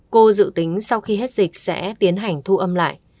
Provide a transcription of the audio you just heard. cô dự tính sau khi hết dịch sẽ tiến hành thu âm lại